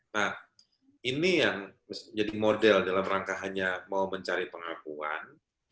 nah ini yang menjadi model dalam rangka hanya mau mencari pengakuan